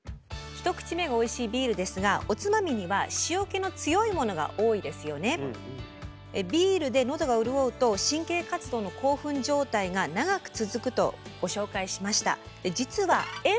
１口目がおいしいビールですがビールでのどが潤うと神経活動の興奮状態が長く続くとご紹介しました。